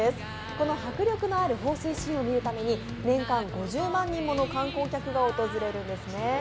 この迫力のある放水シーンを見るために年間５０万人もの観光客が訪れるそうなんですね。